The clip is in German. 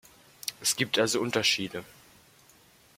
Es gibt also Unterschiede.